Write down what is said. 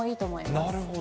なるほど。